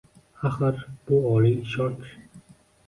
Axir, bu – oliy ishonch